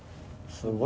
すごーい。